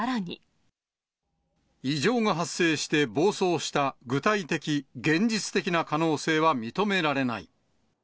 異常が発生して、暴走した、具体的・現実的な可能性は認められない。